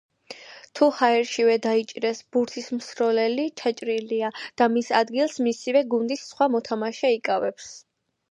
თუ ჰაერშივე დაიჭირეს ბურთის მსროლელი „ჩაჭრილია“ და მის ადგილს მისივე გუნდის სხვა მოთამაშე იკავებს.